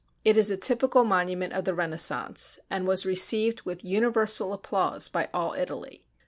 It is a typical monument of the Renaissance, and was received with universal applause by all Italy.